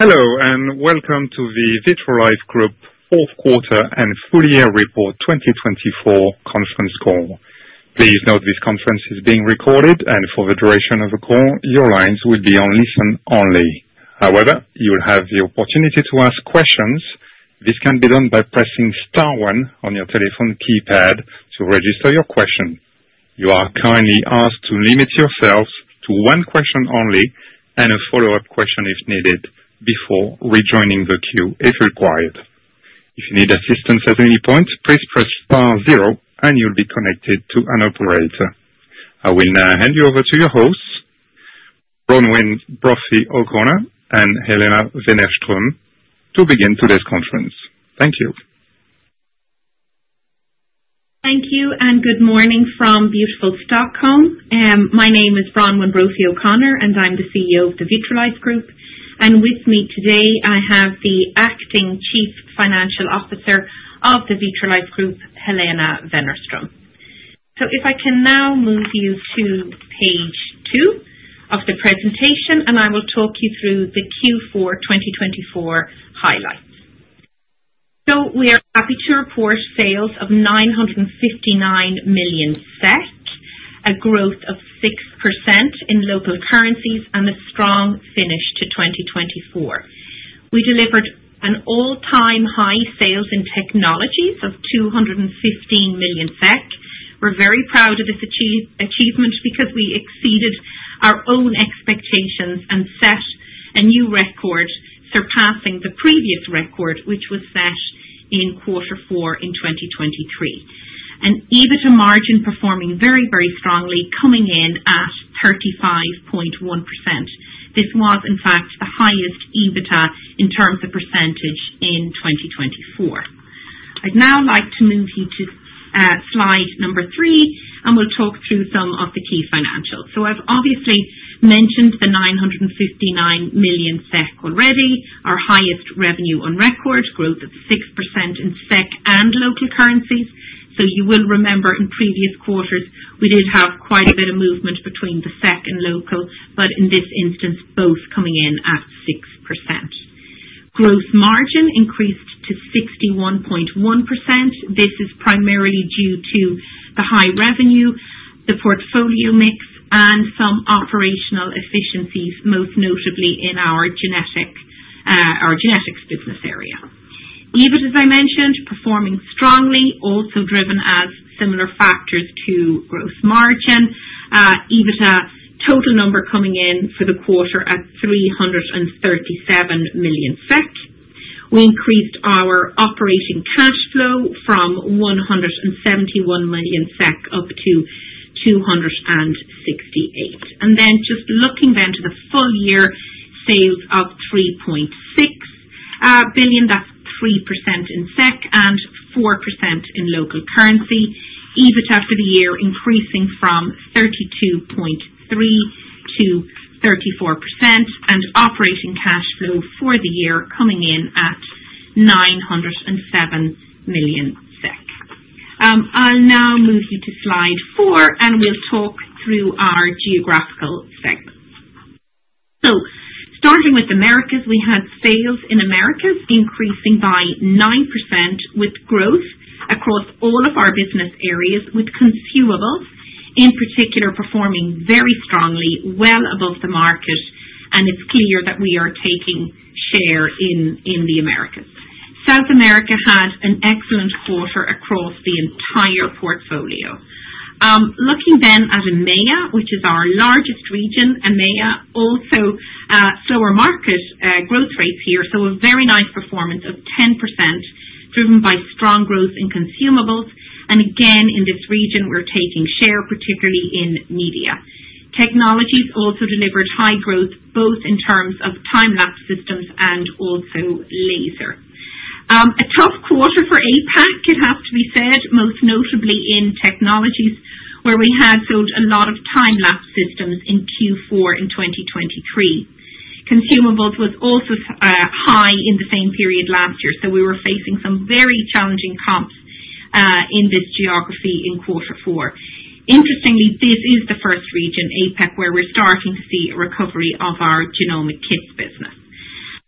Hello, and welcome to the Vitrolife Group fourth quarter and full-year report 2024 conference call. Please note this conference is being recorded, and for the duration of the call, your lines will be on listen only. However, you will have the opportunity to ask questions. This can be done by pressing star one on your telephone keypad to register your question. You are kindly asked to limit yourself to one question only and a follow-up question if needed before rejoining the queue if required. If you need assistance at any point, please press star zero, and you'll be connected to an operator. I will now hand you over to your hosts, Bronwyn Brophy O'Connor and Helena Wennerström, to begin today's conference. Thank you. Thank you, and good morning from beautiful Stockholm. My name is Bronwyn Brophy O'Connor, and I'm the CEO of the Vitrolife Group, and with me today, I have the Acting Chief Financial Officer of the Vitrolife Group, Helena Wennerström, so if I can now move you to page two of the presentation, and I will talk you through the Q4 2024 highlights, so we are happy to report sales of 959 million, a growth of 6% in local currencies, and a strong finish to 2024. We delivered an all-time high sales in Technologies of 215 million SEK. We're very proud of this achievement because we exceeded our own expectations and set a new record, surpassing the previous record, which was set in quarter four in 2023, and EBITDA margin performing very, very strongly, coming in at 35.1%. This was, in fact, the highest EBITDA in terms of percentage in 2024. I'd now like to move you to slide number three, and we'll talk through some of the key financials. So I've obviously mentioned the 959 million SEK already, our highest revenue on record, growth of 6% in SEK and local currencies. So you will remember in previous quarters, we did have quite a bit of movement between the SEK and local, but in this instance, both coming in at 6%. Gross margin increased to 61.1%. This is primarily due to the high revenue, the portfolio mix, and some operational efficiencies, most notably in our Genetics business area. EBIT, as I mentioned, performing strongly, also driven as similar factors to gross margin. EBITDA total number coming in for the quarter at 337 million SEK. We increased our operating cash flow from 171 million SEK up to 268. And then just looking then to the full-year, sales of 3.6 billion, that's 3% in SEK and 4% in local currency. EBIT after the year increasing from 32.3% to 34%, and operating cash flow for the year coming in at 907 million SEK. I'll now move you to slide four, and we'll talk through our geographical segments. So starting with Americas, we had sales in Americas increasing by 9% with growth across all of our business areas with Consumables, in particular performing very strongly, well above the market, and it's clear that we are taking share in the Americas. South America had an excellent quarter across the entire portfolio. Looking then at EMEA, which is our largest region, EMEA also slower market growth rates here, so a very nice performance of 10% driven by strong growth in Consumables. And again, in this region, we're taking share, particularly in media. Technologies also delivered high growth, both in terms of time-lapse systems and also laser. A tough quarter for APAC, it has to be said, most notably in Technologies, where we had sold a lot of time-lapse systems in Q4 in 2023. Consumables was also high in the same period last year, so we were facing some very challenging comps in this geography in quarter four. Interestingly, this is the first region, APAC, where we're starting to see a recovery of our genomics kits business.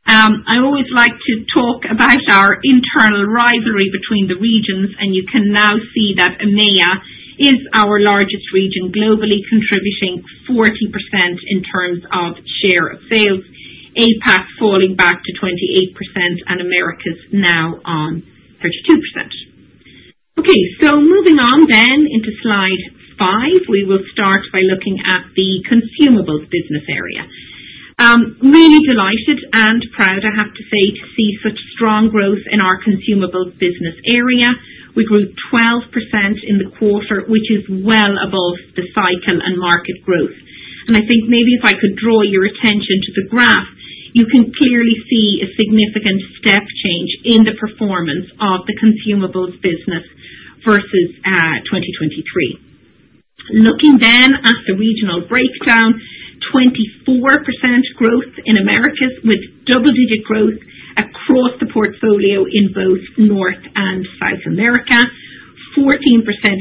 I always like to talk about our internal rivalry between the regions, and you can now see that EMEA is our largest region globally, contributing 40% in terms of share of sales, APAC falling back to 28%, and Americas now on 32%. Okay, so moving on then into slide five, we will start by looking at the Consumables business area. Really delighted and proud, I have to say, to see such strong growth in our Consumables business area. We grew 12% in the quarter, which is well above the cycle and market growth, and I think maybe if I could draw your attention to the graph, you can clearly see a significant step change in the performance of the Consumables business versus 2023, looking then at the regional breakdown, 24% growth in Americas with double-digit growth across the portfolio in both North and South America, 14%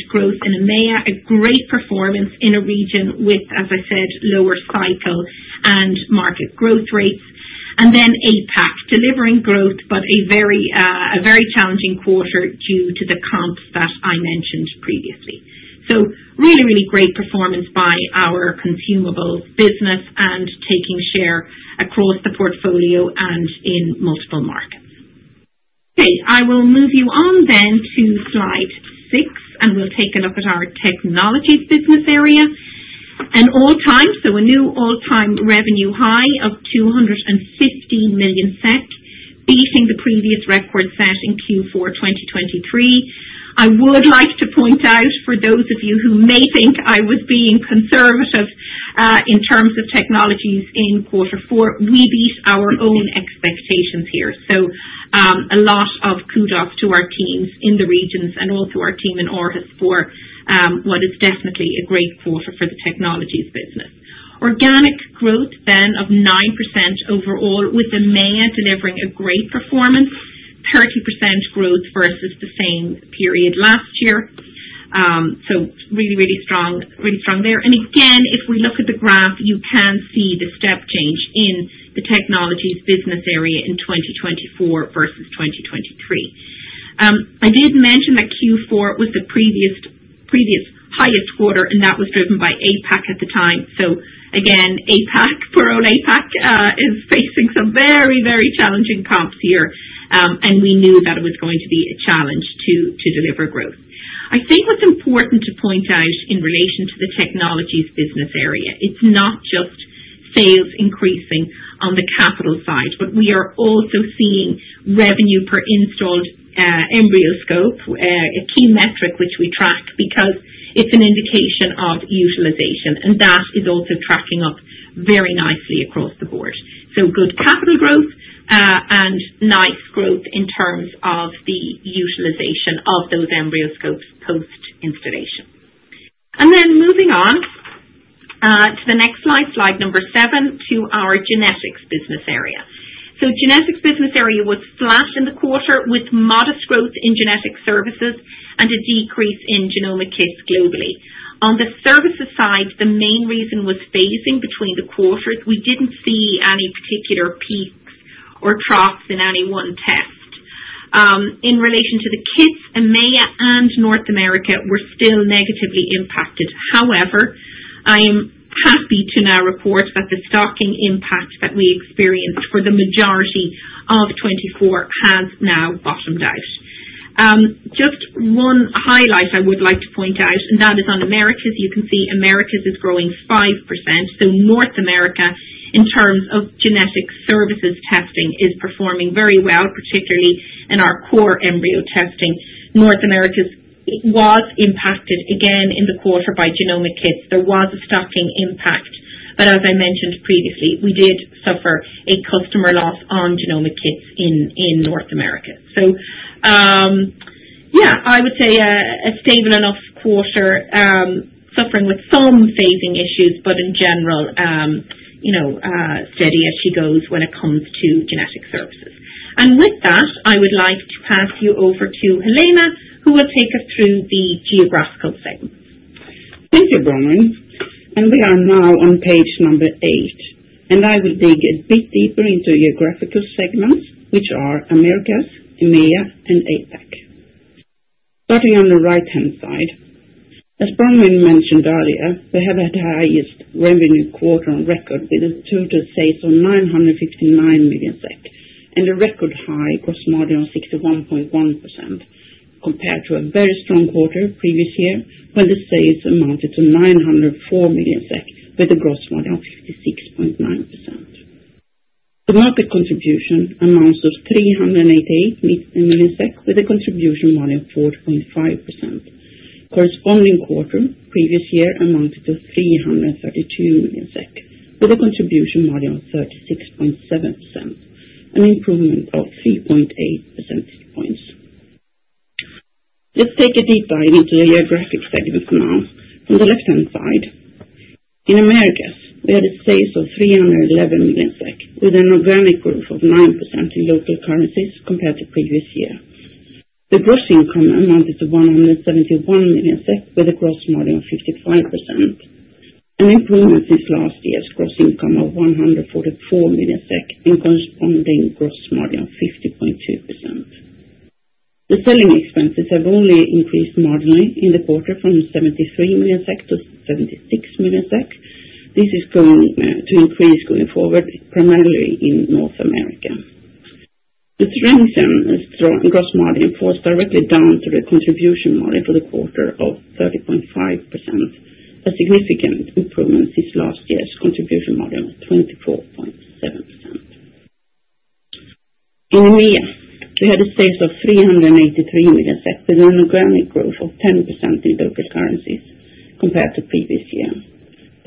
growth in EMEA, a great performance in a region with, as I said, lower cycle and market growth rates, and then APAC delivering growth, but a very challenging quarter due to the comps that I mentioned previously, so really, really great performance by our Consumables business and taking share across the portfolio and in multiple markets. Okay, I will move you on then to slide six, and we'll take a look at our Technologies business area. An all-time, so a new all-time revenue high of 215 million SEK, beating the previous record set in Q4 2023. I would like to point out, for those of you who may think I was being conservative in terms of Technologies in quarter four, we beat our own expectations here. So a lot of kudos to our teams in the regions and also our team in Aarhus for what is definitely a great quarter for the Technologies business. Organic growth then of 9% overall, with EMEA delivering a great performance, 30% growth versus the same period last year. So really, really strong there. And again, if we look at the graph, you can see the step change in the Technologies business area in 2024 versus 2023. I did mention that Q4 was the previous highest quarter, and that was driven by APAC at the time, so again, APAC, pure APAC, is facing some very, very challenging comps here, and we knew that it was going to be a challenge to deliver growth. I think what's important to point out in relation to the Technologies business area, it's not just sales increasing on the capital side, but we are also seeing revenue per installed EmbryoScope, a key metric which we track because it's an indication of utilization, and that is also tracking up very nicely across the board, so good capital growth and nice growth in terms of the utilization of those EmbryoScopes post-installation, and then moving on to the next slide, slide number seven, to our Genetics business area. So Genetics business area was flat in the quarter with modest growth in genetic services and a decrease in genomics kits globally. On the services side, the main reason was phasing between the quarters. We didn't see any particular peaks or troughs in any one test. In relation to the kits, EMEA and North America were still negatively impacted. However, I am happy to now report that the stocking impact that we experienced for the majority of 2024 has now bottomed out. Just one highlight I would like to point out, and that is on Americas. You can see Americas is growing 5%. So North America, in terms of genetic services testing, is performing very well, particularly in our core embryo testing. North America was impacted again in the quarter by genomics kits. There was a stocking impact, but as I mentioned previously, we did suffer a customer loss on genomics kits in North America. So yeah, I would say a stable enough quarter, suffering with some phasing issues, but in general, steady as she goes when it comes to genetic services. And with that, I would like to pass you over to Helena, who will take us through the geographical segments. Thank you, Bronwyn. And we are now on page number eight, and I will dig a bit deeper into geographical segments, which are Americas, EMEA, and APAC. Starting on the right-hand side, as Bronwyn mentioned earlier, we have had the highest revenue quarter on record with a total sales of 959 million and a record high gross margin of 61.1% compared to a very strong quarter previous year when the sales amounted to 904 million with a gross margin of 56.9%. The market contribution amounts to 388 million with a contribution margin of 4.5%. Corresponding quarter previous year amounted to 332 million SEK with a contribution margin of 36.7%, an improvement of 3.8 percentage points. Let's take a deep dive into the geographic segments now. From the left-hand side, in Americas, we had sales of 311 million with an organic growth of 9% in local currencies compared to previous year. The gross income amounted to 171 million with a gross margin of 55%, an improvement since last year's gross income of 144 million SEK and corresponding gross margin of 50.2%. The selling expenses have only increased marginally in the quarter from 73 million SEK to 76 million SEK. This is going to increase going forward, primarily in North America. The strengthened gross margin falls directly down to the contribution margin for the quarter of 30.5%, a significant improvement since last year's contribution margin of 24.7%. In EMEA, we had sales of 383 million with an organic growth of 10% in local currencies compared to previous year.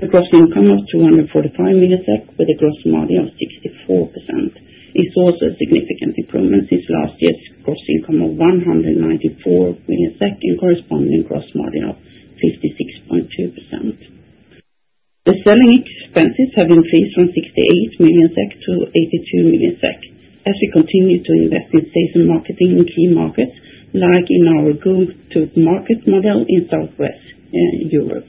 The gross income of 245 million with a gross margin of 64% is also a significant improvement since last year's gross income of 194 million and corresponding gross margin of 56.2%. The selling expenses have increased from 68 million SEK to 82 million SEK as we continue to invest in sales and marketing in key markets like in our go-to-market model in Southwest Europe.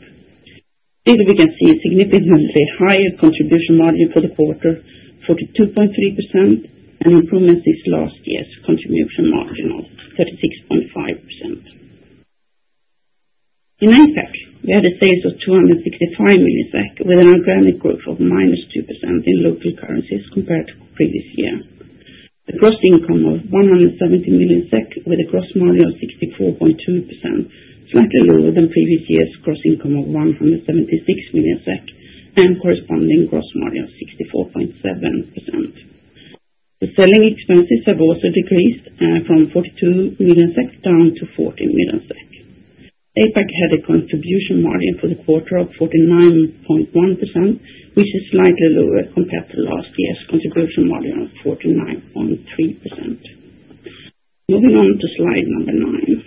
Here we can see a significantly higher contribution margin for the quarter, 42.3%, an improvement since last year's contribution margin of 36.5%. In APAC, we had a sales of 265 million with an organic growth of -2% in local currencies compared to previous year. The gross income of 170 million SEK with a gross margin of 64.2%, slightly lower than previous year's gross income of 176 million SEK and corresponding gross margin of 64.7%. The selling expenses have also decreased from 42 million SEK down to 14 million SEK. APAC had a contribution margin for the quarter of 49.1%, which is slightly lower compared to last year's contribution margin of 49.3%. Moving on to slide number nine.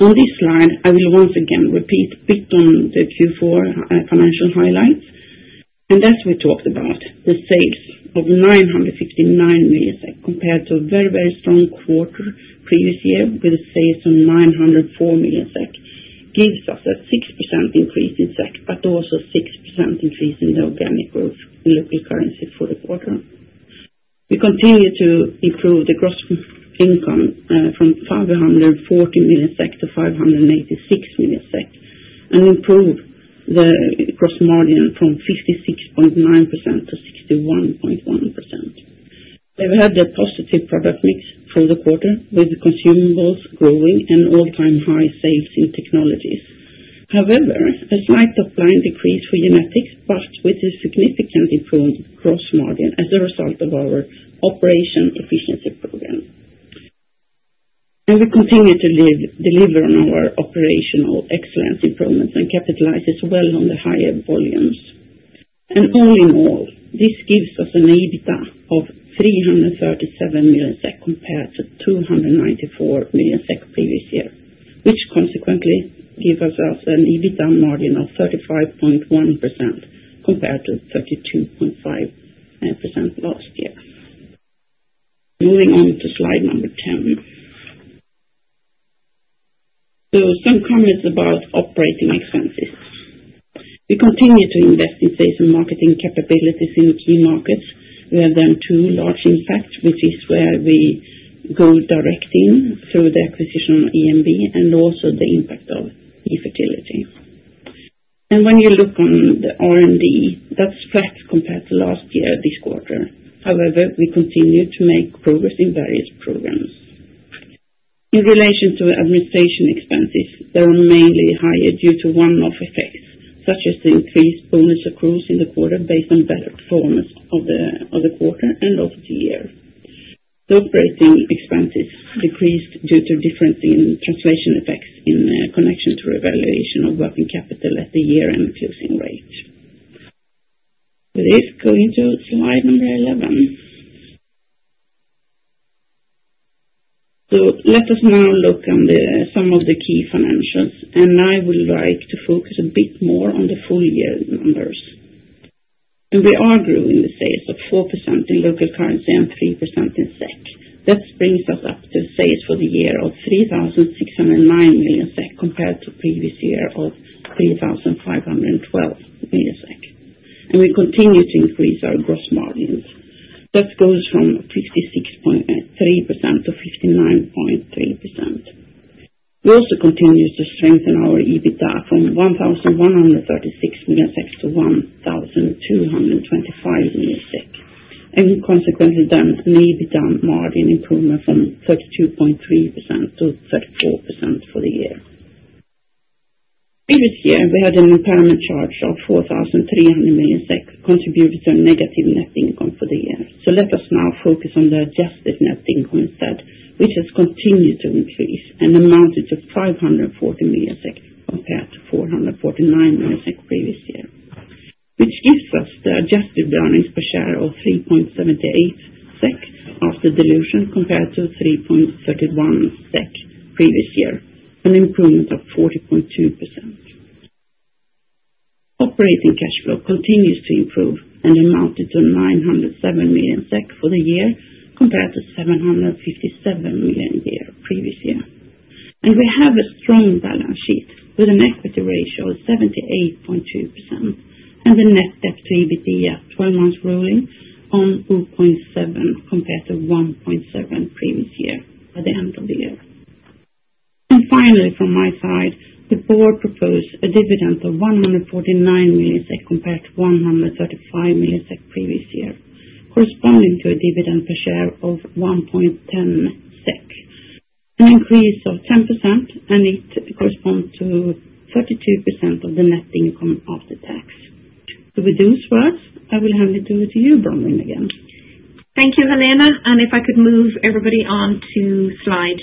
On this slide, I will once again repeat a bit on the Q4 financial highlights, and as we talked about, the sales of 959 million SEK compared to a very, very strong quarter previous year with a sales of 904 million SEK gives us a 6% increase in SEK, but also a 6% increase in the organic growth in local currencies for the quarter. We continue to improve the gross income from 540 million SEK to 586 million SEK and improve the gross margin from 56.9% to 61.1%. We have had a positive product mix for the quarter with Consumables growing and all-time high sales in Technologies. However, a slight top-line decrease for Genetics, but with a significant improved gross margin as a result of our operational efficiency program. And we continue to deliver on our operational excellence improvements and capitalize well on the higher volumes. And all in all, this gives us an EBITDA of 337 million SEK compared to 294 million SEK previous year, which consequently gives us an EBITDA margin of 35.1% compared to 32.5% last year. Moving on to slide number 10. So some comments about operating expenses. We continue to invest in sales and marketing capabilities in key markets. We have done two large impacts, which is where we go direct in through the acquisition of EMB and also the impact of eFertility. And when you look on the R&D, that's flat compared to last year this quarter. However, we continue to make progress in various programs. In relation to administration expenses, they were mainly higher due to one-off effects, such as the increased bonus accruals in the quarter based on better performance of the quarter and of the year. The operating expenses decreased due to difference in translation effects in connection to revaluation of working capital at the year-end closing rate. This going to slide number 11. So let us now look on some of the key financials, and I would like to focus a bit more on the full-year numbers. And we are growing the sales of 4% in local currency and 3% in SEK. That brings us up to sales for the year of 3,609 million SEK compared to previous year of 3,512 million SEK. And we continue to increase our gross margins. That goes from 56.3% to 59.3%. We also continue to strengthen our EBITDA from 1,136 million to 1,225 million, and consequently done an EBITDA margin improvement from 32.3% to 34% for the year. Previous year, we had an impairment charge of 4,300 million contributed to a negative net income for the year, so let us now focus on the adjusted net income instead, which has continued to increase and amounted to 540 million compared to 449 million previous year, which gives us the adjusted earnings per share of 3.78 SEK after dilution compared to 3.31 SEK previous year, an improvement of 40.2%. Operating cash flow continues to improve and amounted to 907 million SEK for the year compared to 757 million year previous year. We have a strong balance sheet with an equity ratio of 78.2% and a net debt to EBITDA 12 months rolling of 0.7 compared to 1.7 previous year at the end of the year. Finally, from my side, the board proposed a dividend of 149 million compared to 135 million previous year, corresponding to a dividend per share of 1.10 SEK, an increase of 10% and it corresponds to 32% of the net income after tax. With those words, I will hand it over to you, Bronwyn, again. Thank you, Helena. And if I could move everybody on to slide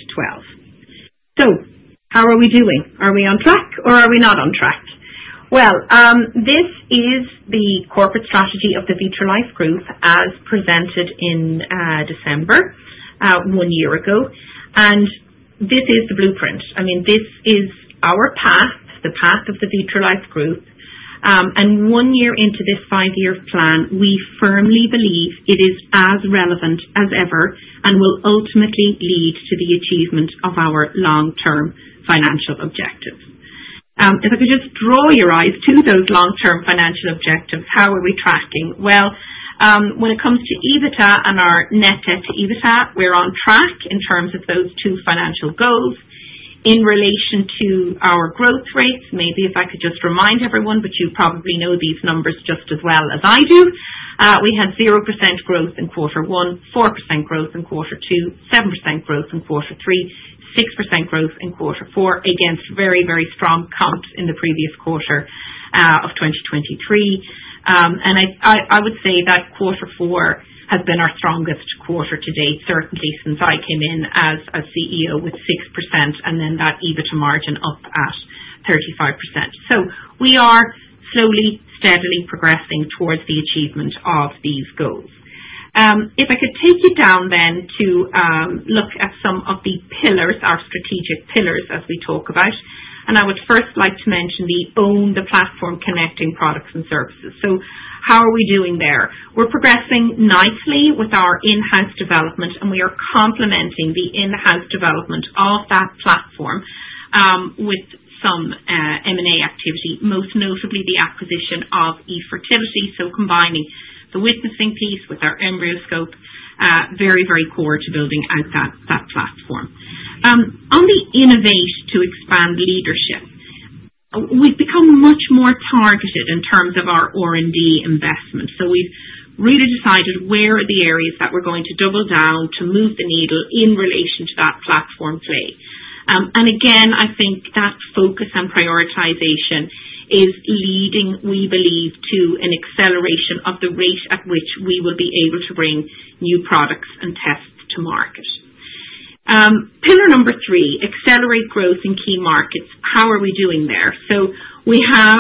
12. So how are we doing? Are we on track or are we not on track? Well, this is the corporate strategy of the Vitrolife Group as presented in December, one year ago. And this is the blueprint. I mean, this is our path, the path of the Vitrolife Group. And one year into this five-year plan, we firmly believe it is as relevant as ever and will ultimately lead to the achievement of our long-term financial objectives. If I could just draw your eyes to those long-term financial objectives, how are we tracking? Well, when it comes to EBITDA and our net debt to EBITDA, we're on track in terms of those two financial goals in relation to our growth rates. Maybe if I could just remind everyone, but you probably know these numbers just as well as I do. We had 0% growth in quarter one, 4% growth in quarter two, 7% growth in quarter three, 6% growth in quarter four against very, very strong comps in the previous quarter of 2023, and I would say that quarter four has been our strongest quarter to date, certainly since I came in as CEO with 6% and then that EBITDA margin up at 35%, so we are slowly, steadily progressing towards the achievement of these goals. If I could take you down then to look at some of the pillars, our strategic pillars as we talk about, and I would first like to mention the own the platform connecting products and services, so how are we doing there? We're progressing nicely with our in-house development, and we are complementing the in-house development of that platform with some M&A activity, most notably the acquisition of eFertility, so combining the witnessing piece with our EmbryoScope, very, very core to building out that platform. On the innovate to expand leadership, we've become much more targeted in terms of our R&D investment, so we've really decided where are the areas that we're going to double down to move the needle in relation to that platform play, and again, I think that focus on prioritization is leading, we believe, to an acceleration of the rate at which we will be able to bring new products and tests to market. Pillar number three, accelerate growth in key markets. How are we doing there? So we have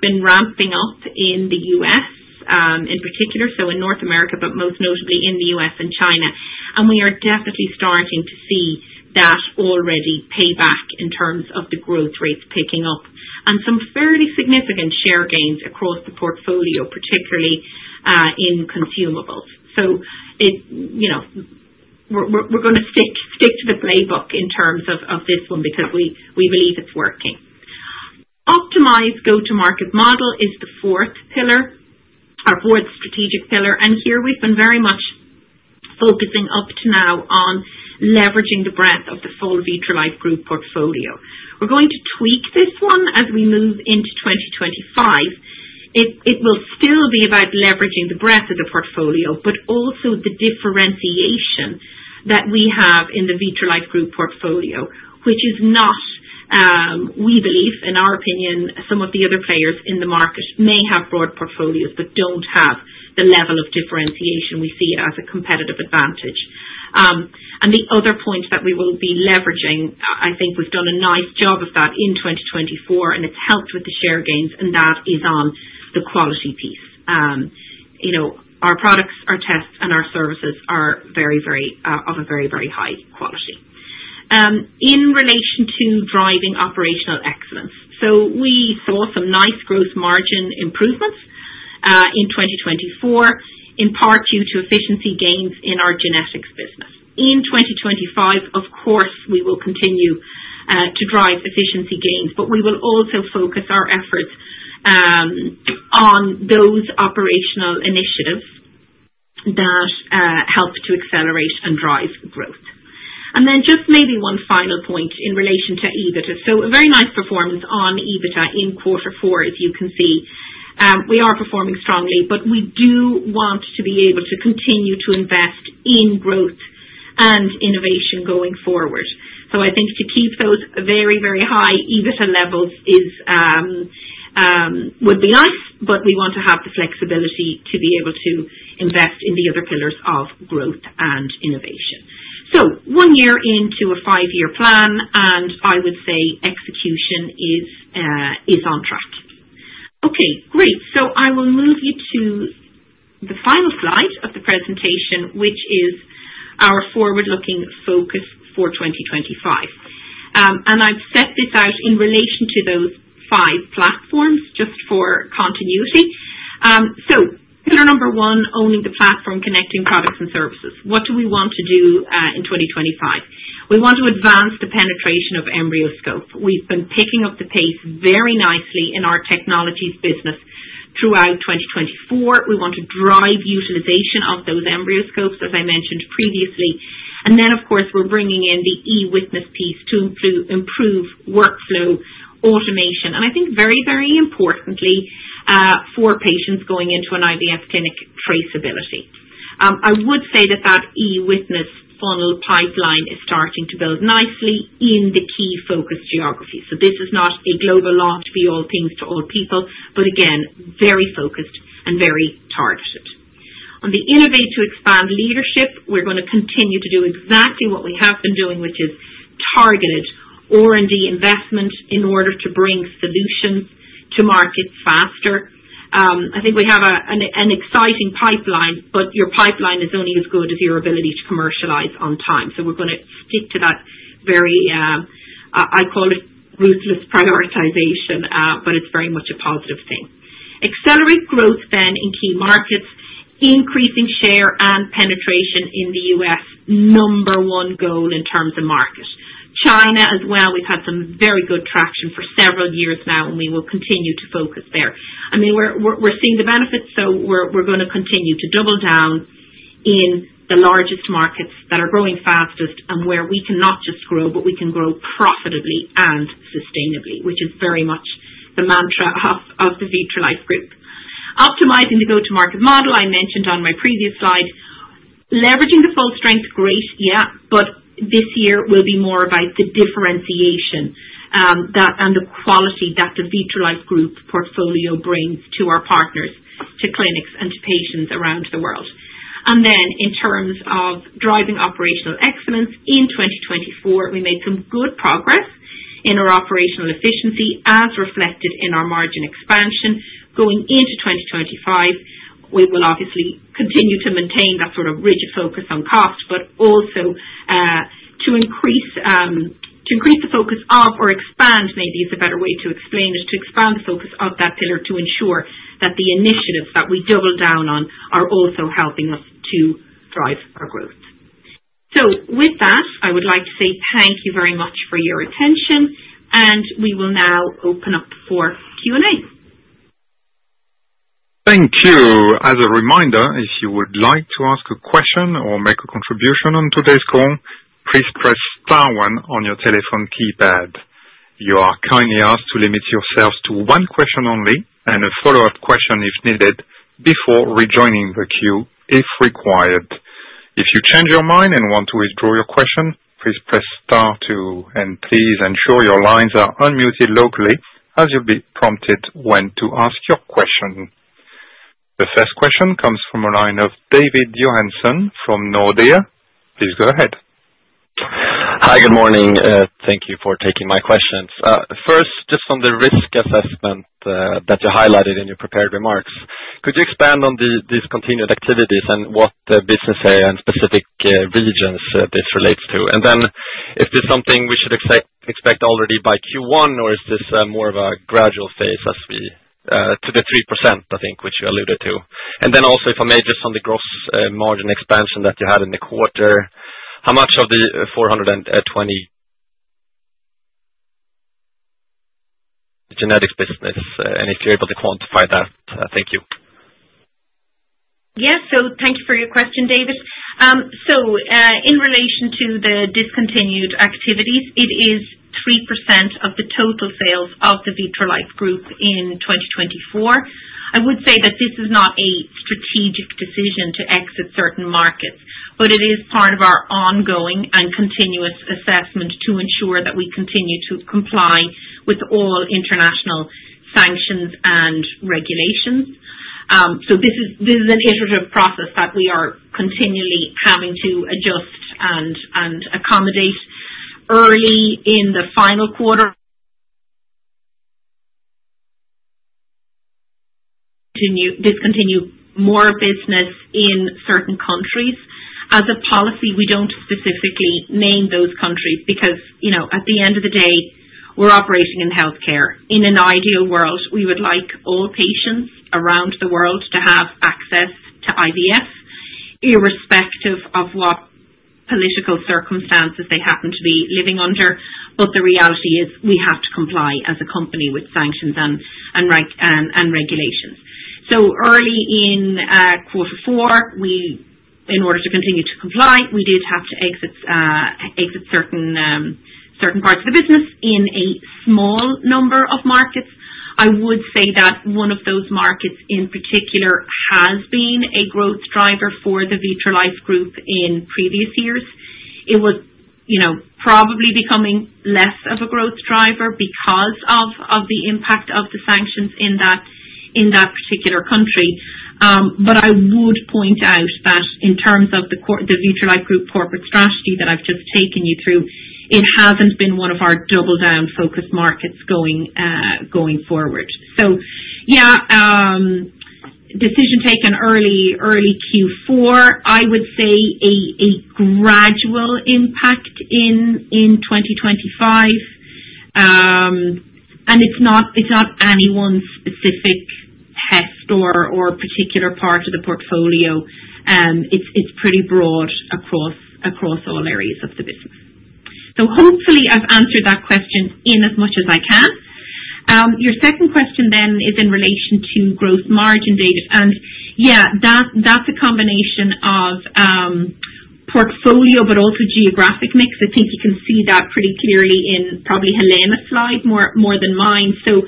been ramping up in the U.S. in particular, so in North America, but most notably in the U.S. and China. And we are definitely starting to see that already pay back in terms of the growth rates picking up and some fairly significant share gains across the portfolio, particularly in Consumables. So we're going to stick to the playbook in terms of this one because we believe it's working. Optimize go-to-market model is the fourth pillar, our fourth strategic pillar. And here we've been very much focusing up to now on leveraging the breadth of the full Vitrolife Group portfolio. We're going to tweak this one as we move into 2025. It will still be about leveraging the breadth of the portfolio, but also the differentiation that we have in the Vitrolife Group portfolio, which is not, we believe, in our opinion, some of the other players in the market may have broad portfolios but don't have the level of differentiation we see as a competitive advantage, and the other point that we will be leveraging. I think we've done a nice job of that in 2024, and it's helped with the share gains, and that is on the quality piece. Our products, our tests, and our services are of a very, very high quality. In relation to driving operational excellence, so we saw some nice gross margin improvements in 2024, in part due to efficiency gains in our Genetics business. In 2025, of course, we will continue to drive efficiency gains, but we will also focus our efforts on those operational initiatives that help to accelerate and drive growth. And then just maybe one final point in relation to EBITDA. So a very nice performance on EBITDA in quarter four, as you can see. We are performing strongly, but we do want to be able to continue to invest in growth and innovation going forward. So I think to keep those very, very high EBITDA levels would be nice, but we want to have the flexibility to be able to invest in the other pillars of growth and innovation. So one year into a five-year plan, and I would say execution is on track. Okay, great. So I will move you to the final slide of the presentation, which is our forward-looking focus for 2025. And I've set this out in relation to those five platforms just for continuity. So pillar number one, owning the platform connecting products and services. What do we want to do in 2025? We want to advance the penetration of EmbryoScope. We've been picking up the pace very nicely in our Technologies business throughout 2024. We want to drive utilization of those EmbryoScopes, as I mentioned previously. And then, of course, we're bringing in the eWitness piece to improve workflow automation. And I think very, very importantly for patients going into an IVF clinic, traceability. I would say that that eWitness funnel pipeline is starting to build nicely in the key focus geography. So this is not a global launch to be all things to all people, but again, very focused and very targeted. On the innovate to expand leadership, we're going to continue to do exactly what we have been doing, which is targeted R&D investment in order to bring solutions to market faster. I think we have an exciting pipeline, but your pipeline is only as good as your ability to commercialize on time. So we're going to stick to that very, I call it ruthless prioritization, but it's very much a positive thing. Accelerate growth then in key markets, increasing share and penetration in the U.S., number one goal in terms of market. China as well, we've had some very good traction for several years now, and we will continue to focus there. I mean, we're seeing the benefits, so we're going to continue to double down in the largest markets that are growing fastest and where we cannot just grow, but we can grow profitably and sustainably, which is very much the mantra of the Vitrolife Group. Optimizing the go-to-market model I mentioned on my previous slide. Leveraging the full strength, great, yeah, but this year will be more about the differentiation and the quality that the Vitrolife Group portfolio brings to our partners, to clinics, and to patients around the world, and then in terms of driving operational excellence in 2024, we made some good progress in our operational efficiency as reflected in our margin expansion. Going into 2025, we will obviously continue to maintain that sort of rigid focus on cost, but also to increase the focus of, or expand maybe is a better way to explain it, to expand the focus of that pillar to ensure that the initiatives that we double down on are also helping us to drive our growth, so with that, I would like to say thank you very much for your attention, and we will now open up for Q&A. Thank you. As a reminder, if you would like to ask a question or make a contribution on today's call, please press star one on your telephone keypad. You are kindly asked to limit yourselves to one question only and a follow-up question if needed before rejoining the queue if required. If you change your mind and want to withdraw your question, please press star two, and please ensure your lines are unmuted locally as you'll be prompted when to ask your question. The first question comes from a line of David Johansson from Nordea. Please go ahead. Hi, good morning. Thank you for taking my questions. First, just on the risk assessment that you highlighted in your prepared remarks, could you expand on these continued activities and what business area and specific regions this relates to? And then if there's something we should expect already by Q1, or is this more of a gradual phase as we go to the 3%, I think, which you alluded to? And then also, if I may, just on the gross margin expansion that you had in the quarter, how much of the 420 Genetics business, and if you're able to quantify that? Thank you. Yes, so thank you for your question, David. So in relation to the discontinued activities, it is 3% of the total sales of the Vitrolife Group in 2024. I would say that this is not a strategic decision to exit certain markets, but it is part of our ongoing and continuous assessment to ensure that we continue to comply with all international sanctions and regulations. So this is an iterative process that we are continually having to adjust and accommodate, early in the final quarter. Discontinue more business in certain countries. As a policy, we don't specifically name those countries because at the end of the day, we're operating in healthcare. In an ideal world, we would like all patients around the world to have access to IVF, irrespective of what political circumstances they happen to be living under. The reality is we have to comply as a company with sanctions and regulations. Early in quarter four, in order to continue to comply, we did have to exit certain parts of the business in a small number of markets. I would say that one of those markets in particular has been a growth driver for the Vitrolife Group in previous years. It was probably becoming less of a growth driver because of the impact of the sanctions in that particular country. I would point out that in terms of the Vitrolife Group corporate strategy that I've just taken you through, it hasn't been one of our double-down focus markets going forward. Yeah, decision taken early Q4, I would say a gradual impact in 2025. It's not any one specific test or particular part of the portfolio. It's pretty broad across all areas of the business, so hopefully, I've answered that question in as much as I can. Your second question then is in relation to gross margin, David, and yeah, that's a combination of portfolio, but also geographic mix. I think you can see that pretty clearly in probably Helena's slide more than mine. So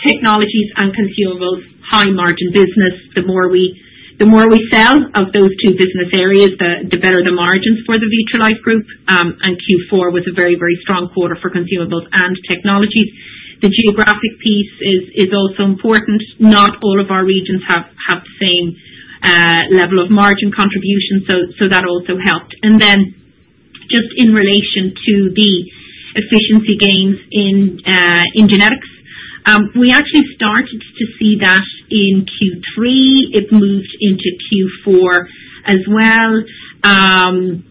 Technologies and Consumables, high-margin business. The more we sell of those two business areas, the better the margins for the Vitrolife Group, and Q4 was a very, very strong quarter for Consumables and Technologies. The geographic piece is also important. Not all of our regions have the same level of margin contribution, so that also helped, and then just in relation to the efficiency gains in Genetics, we actually started to see that in Q3. It moved into Q4 as well.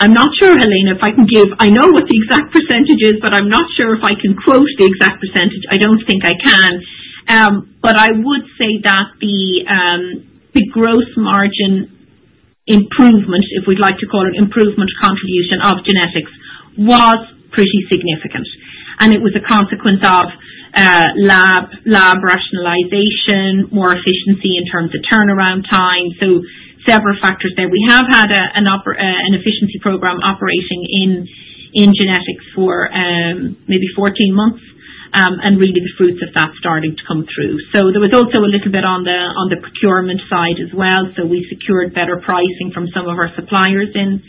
I'm not sure, Helena, if I can give. I know what the exact percentage is, but I'm not sure if I can quote the exact percentage. I don't think I can, but I would say that the gross margin improvement, if we'd like to call it improvement contribution of Genetics, was pretty significant, and it was a consequence of lab rationalization, more efficiency in terms of turnaround time, so several factors there. We have had an efficiency program operating in Genetics for maybe 14 months, and really the fruits of that starting to come through, so there was also a little bit on the procurement side as well, so we secured better pricing from some of our suppliers in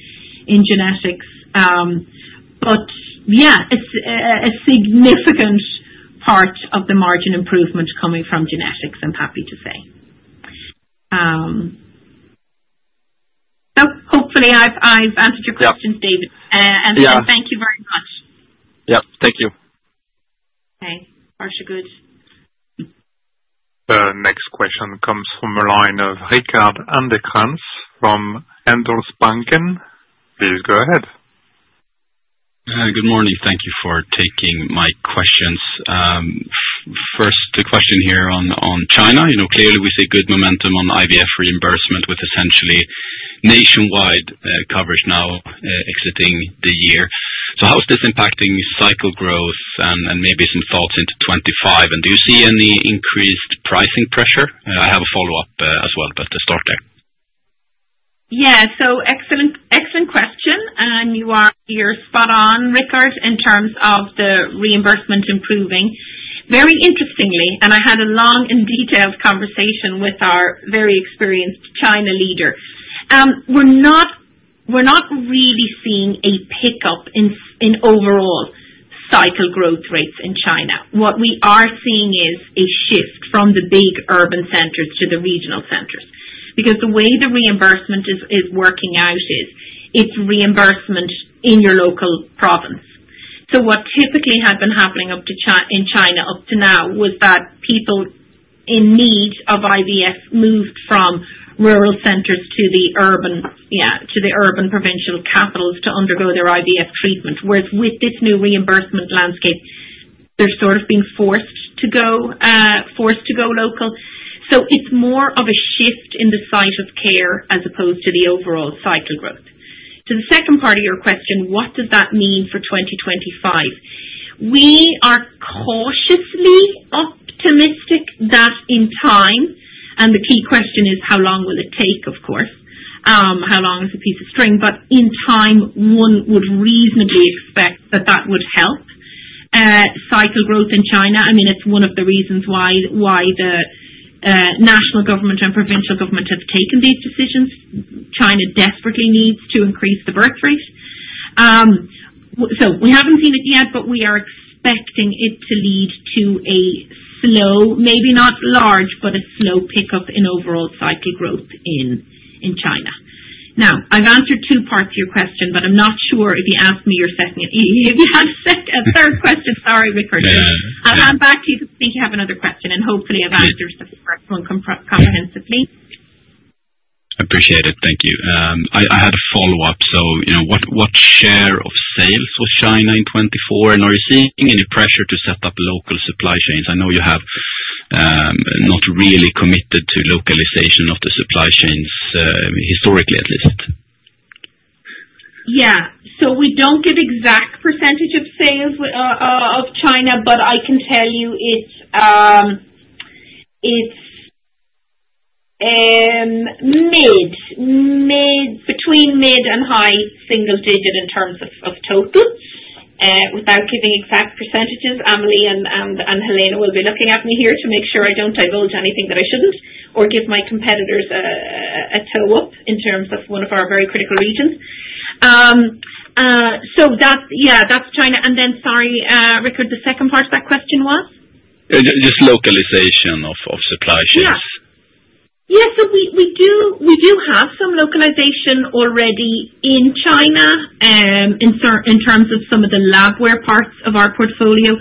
Genetics, but yeah, it's a significant part of the margin improvement coming from Genetics, I'm happy to say, so hopefully, I've answered your questions, David, and so thank you very much. Yeah, thank you. Okay, partial good. The next question comes from a line of Rickard Anderkrans from Handelsbanken. Please go ahead. Good morning. Thank you for taking my questions. First, the question here on China. Clearly, we see good momentum on IVF reimbursement with essentially nationwide coverage now exiting the year. So how is this impacting cycle growth and maybe some thoughts into 2025? And do you see any increased pricing pressure? I have a follow-up as well, but to start there. Yeah, so excellent question, and you're spot on, Rickard, in terms of the reimbursement improving. Very interestingly, I had a long and detailed conversation with our very experienced China leader. We're not really seeing a pickup in overall cycle growth rates in China. What we are seeing is a shift from the big urban centers to the regional centers. Because the way the reimbursement is working out is it's reimbursement in your local province. What typically had been happening in China up to now was that people in need of IVF moved from rural centers to the urban provincial capitals to undergo their IVF treatment. Whereas with this new reimbursement landscape, they're sort of being forced to go local. It's more of a shift in the site of care as opposed to the overall cycle growth. To the second part of your question, what does that mean for 2025? We are cautiously optimistic that in time, and the key question is how long will it take, of course, how long is a piece of string, but in time, one would reasonably expect that that would help cycle growth in China. I mean, it's one of the reasons why the national government and provincial government have taken these decisions. China desperately needs to increase the birth rate. So we haven't seen it yet, but we are expecting it to lead to a slow, maybe not large, but a slow pickup in overall cycle growth in China. Now, I've answered two parts of your question, but I'm not sure if you asked me your second, if you had a third question. Sorry, Rickard. I'll hand back to you. I think you have another question, and hopefully, I've answered the first one comprehensively. Appreciate it. Thank you. I had a follow-up. So what share of sales was China in 2024? And are you seeing any pressure to set up local supply chains? I know you have not really committed to localization of the supply chains, historically at least. Yeah. So we don't get exact percentage of sales in China, but I can tell you it's mid. Between mid and high single-digit in terms of totals. Without giving exact percentages, Emily and Helena will be looking at me here to make sure I don't divulge anything that I shouldn't or give my competitors a leg up in terms of one of our very critical regions. So yeah, that's China. And then, sorry, Rickard, the second part of that question was? Just localization of supply chains. Yeah. Yeah. So we do have some localization already in China in terms of some of the labware parts of our portfolio.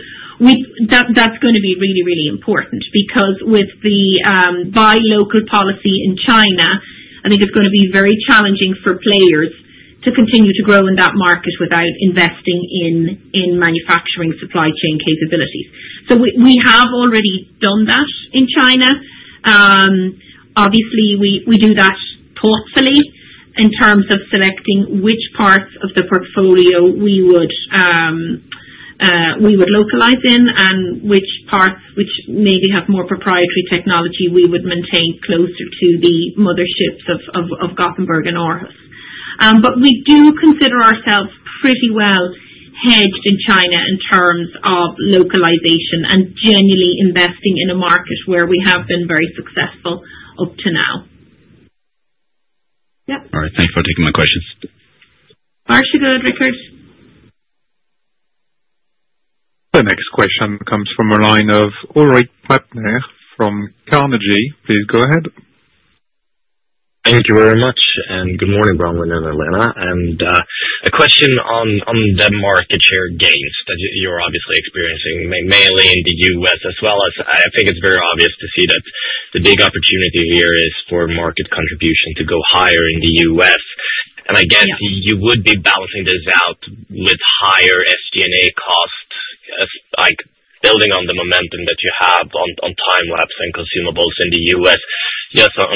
That's going to be really, really important because with the buy local policy in China, I think it's going to be very challenging for players to continue to grow in that market without investing in manufacturing supply chain capabilities. So we have already done that in China. Obviously, we do that thoughtfully in terms of selecting which parts of the portfolio we would localize in and which parts which maybe have more proprietary technology we would maintain closer to the motherships of Gothenburg and Aarhus. But we do consider ourselves pretty well hedged in China in terms of localization and genuinely investing in a market where we have been very successful up to now. Yeah. All right. Thank you for taking my questions. Partial good, Rickard. The next question comes from a line of Ulrik Trattner from Carnegie. Please go ahead. Thank you very much. Good morning, Bronwyn and Helena. I have a question on the market share gains that you're obviously experiencing, mainly in the U.S., as well as I think it's very obvious to see that the big opportunity here is for market contribution to go higher in the U.S. I guess you would be balancing this out with higher SG&A costs, building on the momentum that you have on time-lapse and Consumables in the U.S. Just on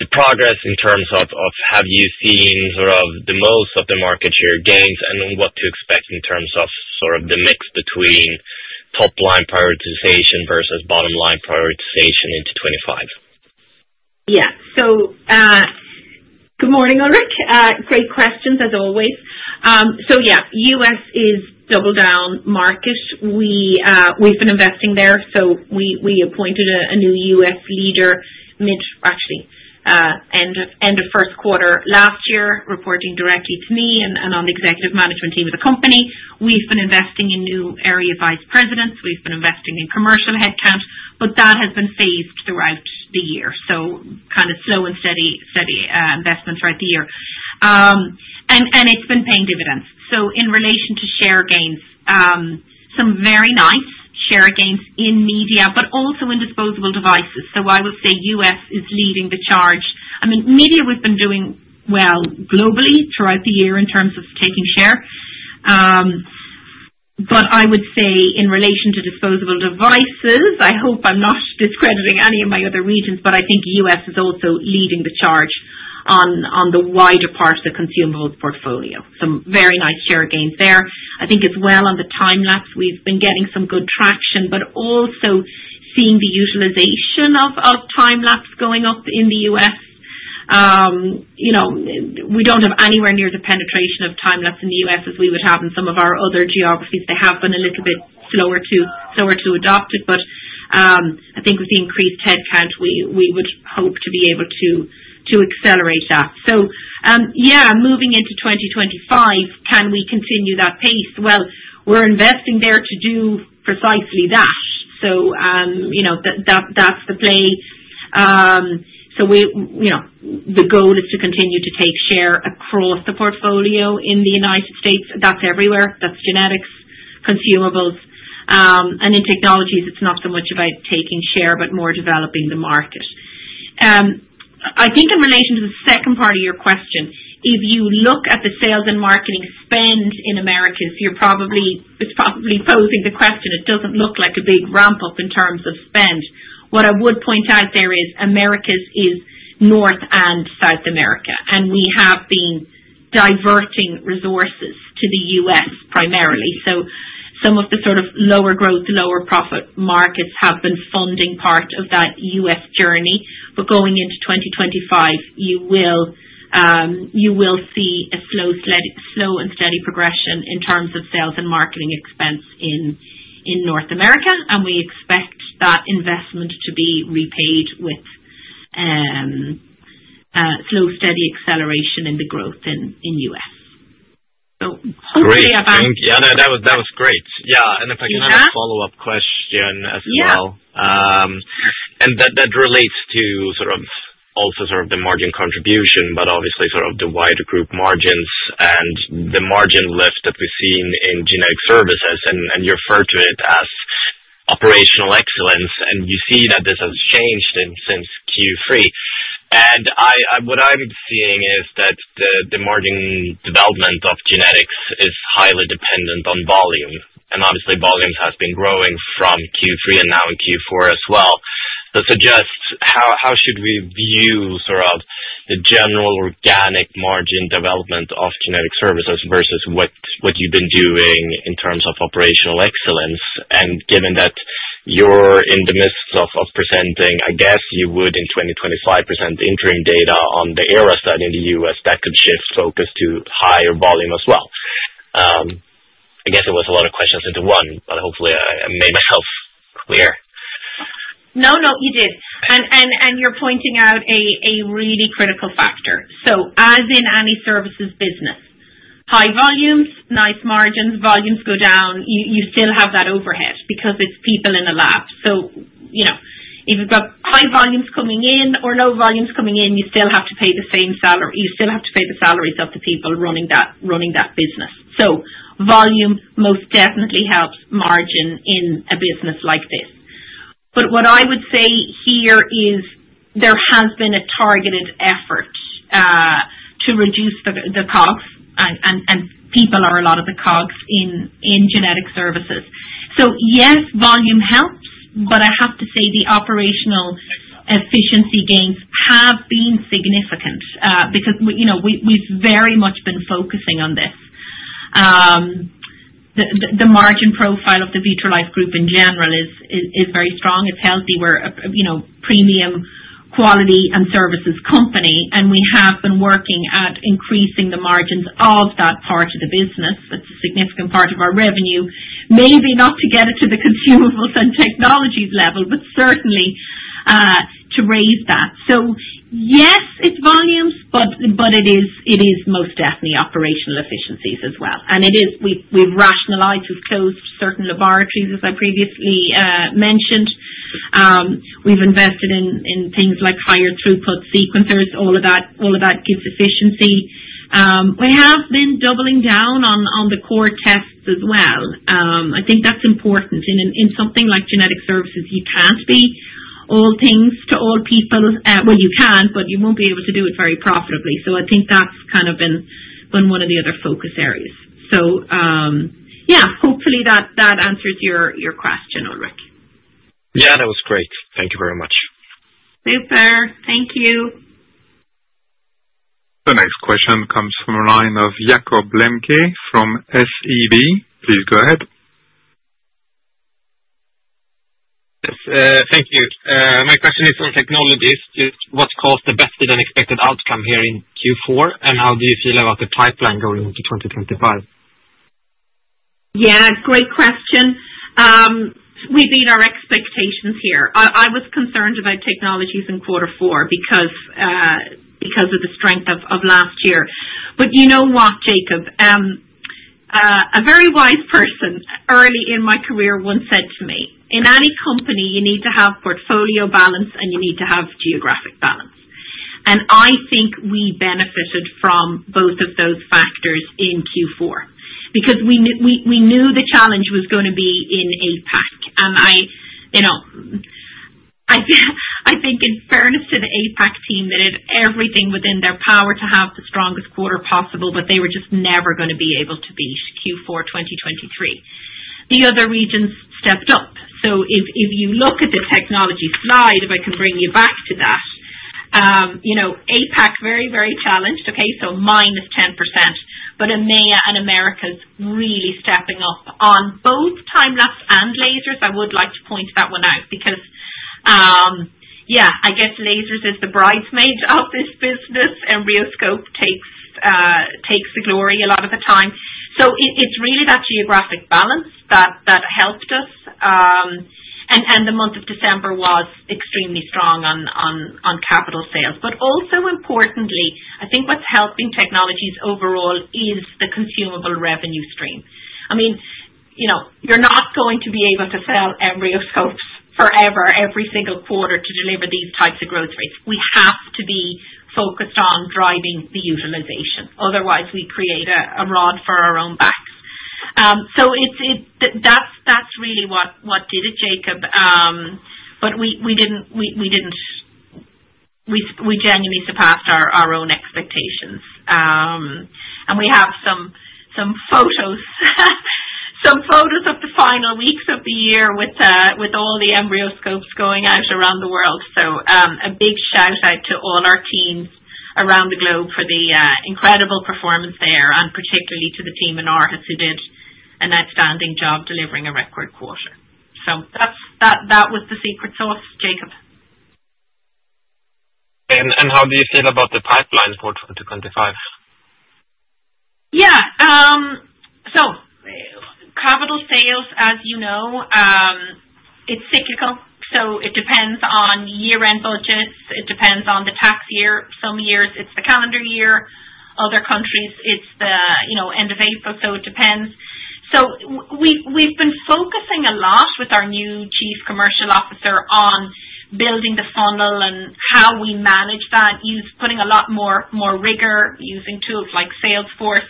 the progress in terms of, have you seen sort of the most of the market share gains and what to expect in terms of sort of the mix between top-line prioritization versus bottom-line prioritization into 2025? Yeah. So good morning, Ulrik. Great questions, as always. So yeah, U.S. is double-down market. We've been investing there. So we appointed a new U.S. leader mid actually, end of first quarter last year, reporting directly to me and on the executive management team of the company. We've been investing in new area vice presidents. We've been investing in commercial headcount, but that has been phased throughout the year. So kind of slow and steady investments throughout the year. And it's been paying dividends. So in relation to share gains, some very nice share gains in media, but also in disposable devices. So I would say U.S. is leading the charge. I mean, media we've been doing well globally throughout the year in terms of taking share. But I would say in relation to disposable devices, I hope I'm not discrediting any of my other regions, but I think U.S. is also leading the charge on the wider part of the Consumables portfolio. Some very nice share gains there. I think as well on the time-lapse, we've been getting some good traction, but also seeing the utilization of time-lapse going up in the U.S. We don't have anywhere near the penetration of time-lapse in the U.S. as we would have in some of our other geographies. They have been a little bit slower to adopt it. But I think with the increased headcount, we would hope to be able to accelerate that. So yeah, moving into 2025, can we continue that pace? Well, we're investing there to do precisely that. So that's the play. So the goal is to continue to take share across the portfolio in the United States. That's everywhere. That's Genetics, Consumables. And in Technologies, it's not so much about taking share, but more developing the market. I think in relation to the second part of your question, if you look at the sales and marketing spend in Americas, it's probably posing the question. It doesn't look like a big ramp-up in terms of spend. What I would point out there is Americas is North and South America. And we have been diverting resources to the U.S. primarily. So some of the sort of lower growth, lower profit markets have been funding part of that U.S. journey. But going into 2025, you will see a slow and steady progression in terms of sales and marketing expense in North America. We expect that investment to be repaid with slow, steady acceleration in the growth in the U.S. Hopefully, I've answered. Great. Yeah, that was great. Yeah. And if I can have a follow-up question as well. And that relates to sort of also sort of the margin contribution, but obviously sort of the wider group margins and the margin lift that we've seen in genetic services. And you refer to it as operational excellence. And you see that this has changed since Q3. And what I'm seeing is that the margin development of Genetics is highly dependent on volume. And obviously, volumes have been growing from Q3 and now in Q4 as well. So suggest how should we view sort of the general organic margin development of genetic services versus what you've been doing in terms of operational excellence? Given that you're in the midst of presenting, I guess you would in 2025 present interim data on the ERA study in the U.S. That could shift focus to higher volume as well. I guess it was a lot of questions into one, but hopefully, I made myself clear. No, no, you did. And you're pointing out a really critical factor. So as in any services business, high volumes, nice margins, volumes go down, you still have that overhead because it's people in a lab. So if you've got high volumes coming in or low volumes coming in, you still have to pay the same salary. You still have to pay the salaries of the people running that business. So volume most definitely helps margin in a business like this. But what I would say here is there has been a targeted effort to reduce the COGS, and people are a lot of the COGS in genetic services. So yes, volume helps, but I have to say the operational efficiency gains have been significant because we've very much been focusing on this. The margin profile of the Vitrolife Group in general is very strong. It's healthy. We're a premium quality and services company, and we have been working at increasing the margins of that part of the business. It's a significant part of our revenue, maybe not to get it to the Consumables and Technologies level, but certainly to raise that, so yes, it's volumes, but it is most definitely operational efficiencies as well, and we've rationalized. We've closed certain laboratories, as I previously mentioned. We've invested in things like higher throughput sequencers. All of that gives efficiency. We have been doubling down on the core tests as well. I think that's important. In something like genetic services, you can't be all things to all people, well, you can, but you won't be able to do it very profitably, so I think that's kind of been one of the other focus areas, so yeah, hopefully, that answers your question, Ulrik. Yeah, that was great. Thank you very much. Super. Thank you. The next question comes from a line of Jakob Lembke from SEB. Please go ahead. Yes. Thank you. My question is on Technologies. What caused the better than expected outcome here in Q4? And how do you feel about the pipeline going into 2025? Yeah. Great question. We beat our expectations here. I was concerned about Technologies in quarter four because of the strength of last year. But you know what, Jakob? A very wise person early in my career once said to me, "In any company, you need to have portfolio balance, and you need to have geographic balance." And I think we benefited from both of those factors in Q4 because we knew the challenge was going to be in APAC. And I think in fairness to the APAC team, they did everything within their power to have the strongest quarter possible, but they were just never going to be able to beat Q4 2023. The other regions stepped up. So if you look at the technology slide, if I can bring you back to that, APAC, very, very challenged, okay? So -10%. But EMEA and Americas really stepping up on both time-lapse and lasers. I would like to point that one out because, yeah, I guess lasers is the bridesmaid of this business, and EmbryoScope takes the glory a lot of the time. So it's really that geographic balance that helped us. And the month of December was extremely strong on capital sales. But also importantly, I think what's helping Technologies overall is the consumable revenue stream. I mean, you're not going to be able to sell EmbryoScopes forever every single quarter to deliver these types of growth rates. We have to be focused on driving the utilization. Otherwise, we create a rod for our own backs. So that's really what did it, Jakob. But we didn't genuinely surpass our own expectations. We have some photos of the final weeks of the year with all the EmbryoScopes going out around the world. So a big shout-out to all our teams around the globe for the incredible performance there, and particularly to the team in Aarhus who did an outstanding job delivering a record quarter. So that was the secret sauce, Jakob. How do you feel about the pipeline for 2025? Yeah. So capital sales, as you know, it's cyclical. So it depends on year-end budgets. It depends on the tax year. Some years, it's the calendar year. Other countries, it's the end of April. So it depends. So we've been focusing a lot with our new chief commercial officer on building the funnel and how we manage that, putting a lot more rigor, using tools like Salesforce.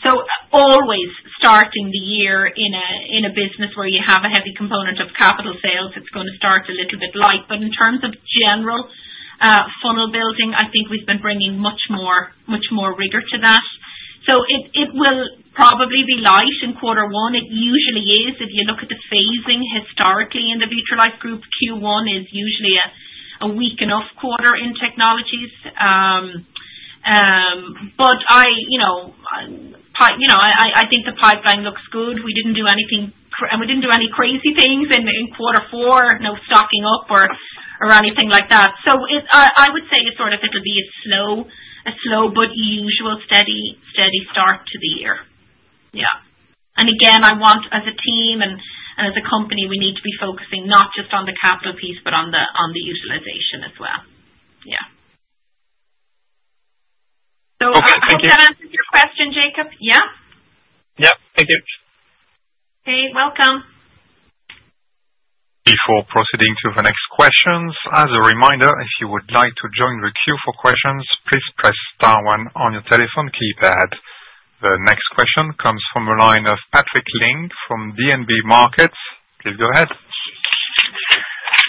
So always starting the year in a business where you have a heavy component of capital sales, it's going to start a little bit light. But in terms of general funnel building, I think we've been bringing much more rigor to that. So it will probably be light in quarter one. It usually is. If you look at the phasing historically in the Vitrolife Group, Q1 is usually a weak enough quarter in Technologies. But I think the pipeline looks good. We didn't do anything and we didn't do any crazy things in quarter four, no stocking up or anything like that. So I would say it's sort of going to be a slow, but usual steady start to the year. Yeah. And again, I want, as a team and as a company, we need to be focusing not just on the capital piece, but on the utilization as well. Yeah. Okay. Thank you. I hope that answers your question, Jakob. Yeah? Yep. Thank you. Okay. Welcome. Before proceeding to the next questions, as a reminder, if you would like to join the Q4 questions, please press star one on your telephone keypad. The next question comes from a line of Patrik Ling from DNB Markets. Please go ahead.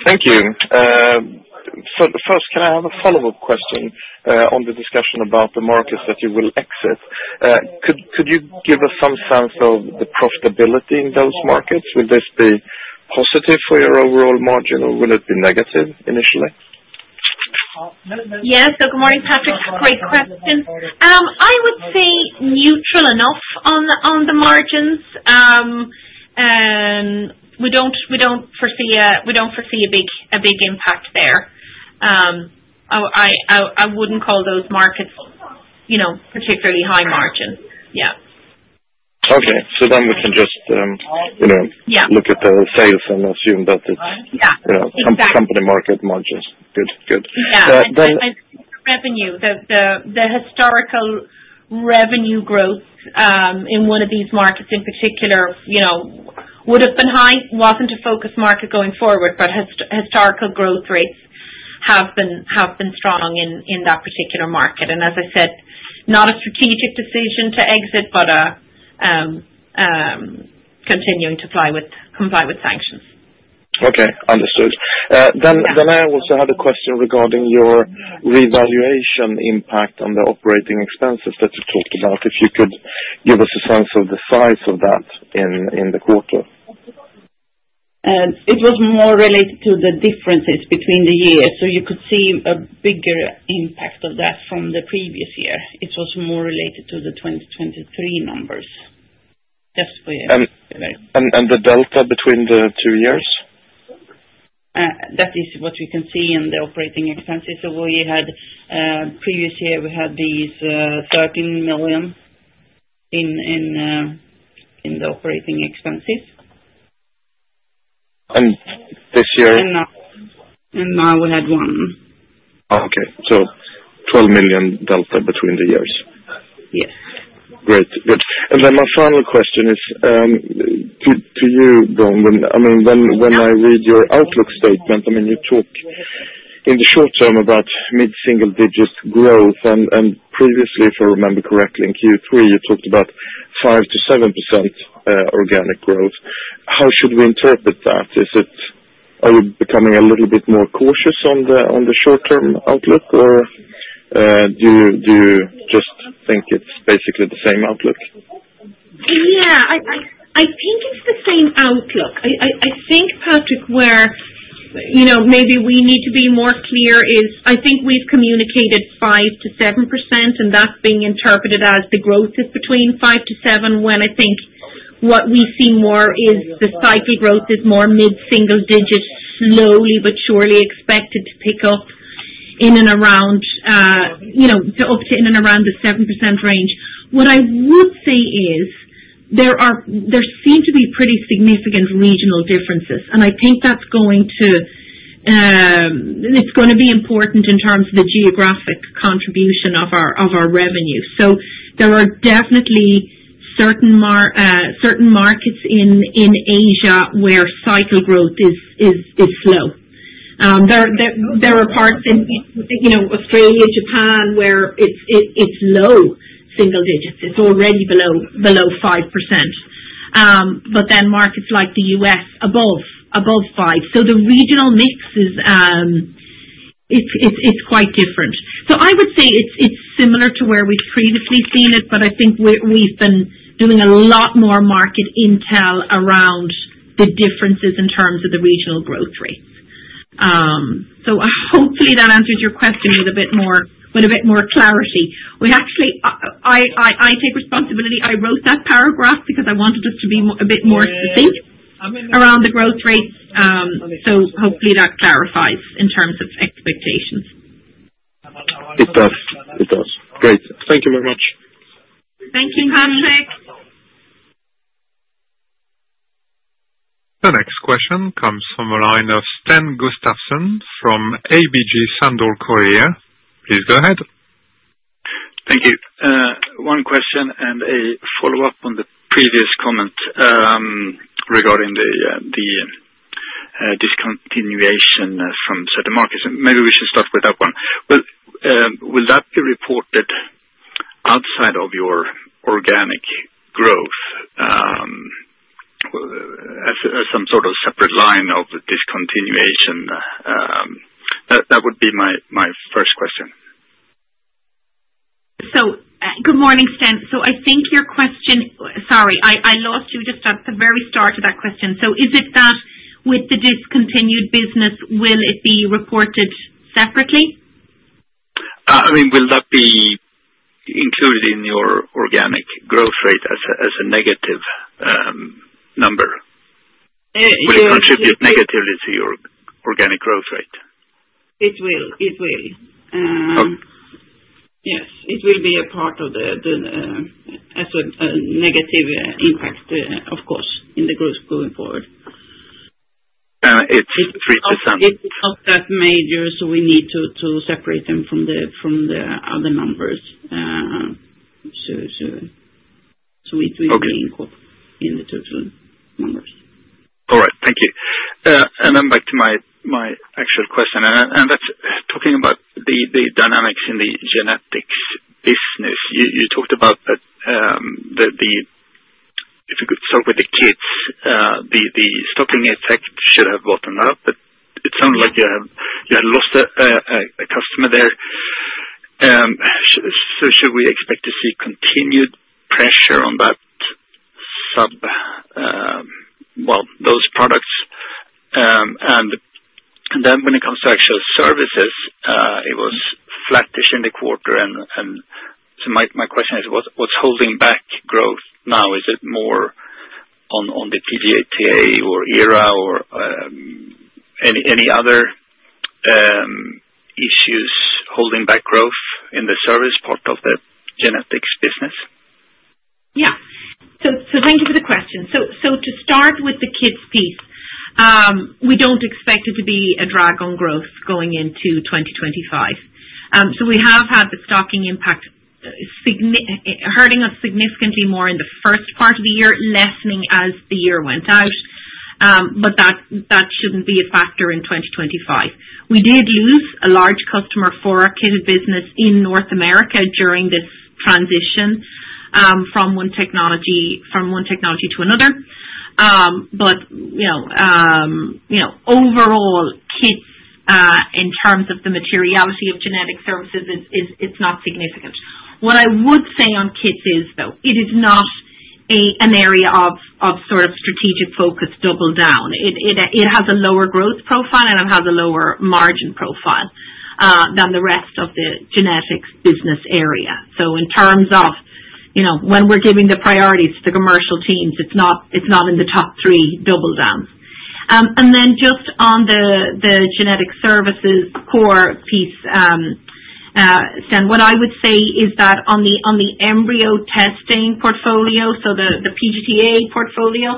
Thank you. First, can I have a follow-up question on the discussion about the markets that you will exit? Could you give us some sense of the profitability in those markets? Would this be positive for your overall margin, or will it be negative initially? Yes. So good morning, Patrik. Great question. I would say neutral enough on the margins. We don't foresee a big impact there. I wouldn't call those markets particularly high margin. Yeah. Okay. So then we can just look at the sales and assume that it's company market margins. Good. Good. Yeah. I think the revenue, the historical revenue growth in one of these markets in particular, would have been high, wasn't a focus market going forward, but historical growth rates have been strong in that particular market, and as I said, not a strategic decision to exit, but continuing to comply with sanctions. Okay. Understood. Then I also had a question regarding your revaluation impact on the operating expenses that you talked about. If you could give us a sense of the size of that in the quarter. It was more related to the differences between the years. So you could see a bigger impact of that from the previous year. It was more related to the 2023 numbers. That's where. The delta between the two years? That is what we can see in the operating expenses. So, previous year, we had these 13 million in the operating expenses. And this year? And now we had one. Okay, so 12 million delta between the years. Yes. Great. Good. And then my final question is to you, Bronwyn. I mean, when I read your outlook statement, I mean, you talk in the short term about mid-single digit growth. And previously, if I remember correctly, in Q3, you talked about 5%-7% organic growth. How should we interpret that? Are you becoming a little bit more cautious on the short-term outlook, or do you just think it's basically the same outlook? Yeah. I think it's the same outlook. I think, Patrik, where maybe we need to be more clear is I think we've communicated 5%-7%, and that's being interpreted as the growth is between 5%-7%, when I think what we see more is the cycle growth is more mid-single digit, slowly but surely expected to pick up in and around up to the 7% range. What I would say is there seem to be pretty significant regional differences. I think that's going to be important in terms of the geographic contribution of our revenue. So there are definitely certain markets in Asia where cycle growth is slow. There are parts in Australia, Japan, where it's low single-digits. It's already below 5%. But then markets like the U.S., above five. So the regional mix, it's quite different. So I would say it's similar to where we've previously seen it, but I think we've been doing a lot more market intel around the differences in terms of the regional growth rates. So hopefully, that answers your question with a bit more clarity. I take responsibility. I wrote that paragraph because I wanted us to be a bit more succinct around the growth rates. So hopefully, that clarifies in terms of expectations. It does. It does. Great. Thank you very much. Thank you, Patrik. The next question comes from a line of Sten Gustafsson from ABG Sundal Collier. Please go ahead. Thank you. One question and a follow-up on the previous comment regarding the discontinuation from certain markets. Maybe we should start with that one. Will that be reported outside of your organic growth as some sort of separate line of discontinuation? That would be my first question. Good morning, Sten. I think your question—sorry, I lost you just at the very start of that question. Is it that with the discontinued business, will it be reported separately? I mean, will that be included in your organic growth rate as a negative number? Will it contribute negatively to your organic growth rate? It will. It will. Yes. It will be a part of the negative impact, of course, in the growth going forward. It's 3%. It's not that major, so we need to separate them from the other numbers. So it will be in the total numbers. All right. Thank you. And then back to my actual question. And that's talking about the dynamics in the Genetics business. You talked about that if you could start with the kits, the stocking effect should have bottomed out, but it sounded like you had lost a customer there. So should we expect to see continued pressure on that sub, well, those products? And then when it comes to actual services, it was flattish in the quarter. And so my question is, what's holding back growth now? Is it more on the PGT-A or ERA or any other issues holding back growth in the service part of the Genetics business? Yeah. So thank you for the question. So to start with the kits piece, we don't expect it to be a drag on growth going into 2025. So we have had the stocking impact hurting us significantly more in the first part of the year, lessening as the year went out. But that shouldn't be a factor in 2025. We did lose a large customer for our kits business in North America during this transition from one technology to another. But overall, kits, in terms of the materiality of genetic services, it's not significant. What I would say on kits is, though, it is not an area of sort of strategic focus double down. It has a lower growth profile, and it has a lower margin profile than the rest of the Genetics business area. So in terms of when we're giving the priorities to the commercial teams, it's not in the top three double downs. And then just on the genetic services core piece, Sten, what I would say is that on the embryo testing portfolio, so the PGT-A portfolio,